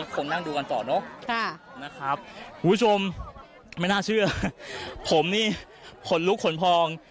คุณผู้ชมไม่น่าเชื่อผมนี่ขนลุกขนพอง